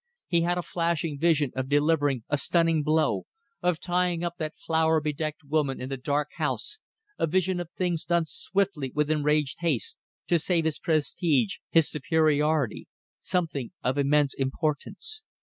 He had a flashing vision of delivering a stunning blow, of tying up that flower bedecked woman in the dark house a vision of things done swiftly with enraged haste to save his prestige, his superiority something of immense importance.